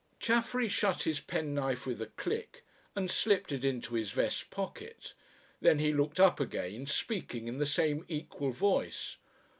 Chaffery shut his penknife with a click and slipped it into his vest pocket. Then he looked up again, speaking in the same equal voice.